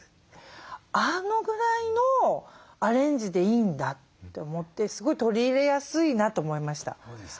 あのぐらいのアレンジでいいんだって思ってすごい取り入れやすいなと思いました。